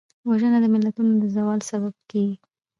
وژنه د ملتونو د زوال سبب کېږي